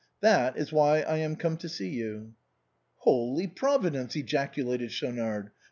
That is why I am come to see you." " Holy Providence !" ejaculated Schaunard.